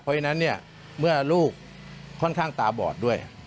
เพราะฉะนั้นเนี่ยเมื่อลูกค่อนข้างตาบอดด้วย